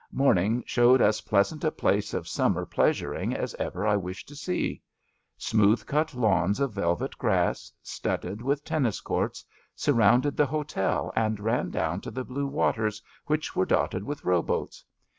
Morning showed as pleasant a place of summer pleasuring as ever I wished to see. Smooth cut lawns of vel vet grass, studded with tennis courts, surrounded the hotel and ran down to the blue waters, which were dotted with rowboats.